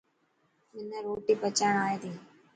منا روٽي پچائڻ اي تي.